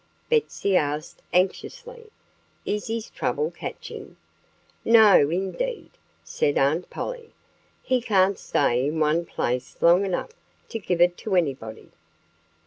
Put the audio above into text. Betsy asked anxiously, "Is his trouble catching?" "No, indeed!" said Aunt Polly. "He can't stay in one place long enough to give it to anybody."